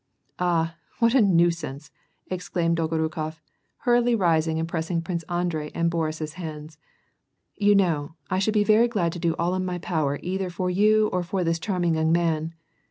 '* Ah ! what a nuisance !" exclaimed Dolgorukof, hurriedly lising and pressing Prince Andrei and Boris's hands, "You know I should be very glad to do all in my power either for you or foi* this charming young man."